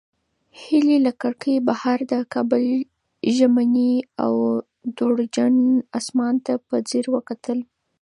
هیلې له کړکۍ بهر د کابل ژمني او دوړجن اسمان ته په ځیر وکتل.